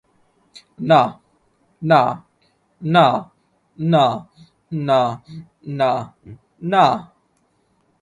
না, না, না, না, না, না, না।